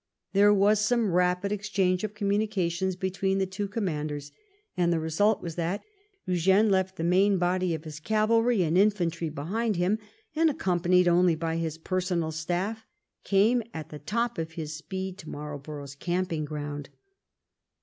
There was some rapid exchange of communications between the two commanders, and the result was that Eugene left the main body of his cavalry and infantry behind him, and, accompanied only by his personal staff, came at the top of his speed to Marlborough's camping ground.